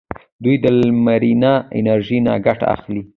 دوی د لمرینه انرژۍ نه ګټه اخلي.